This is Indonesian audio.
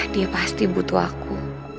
dia pasti butuh aku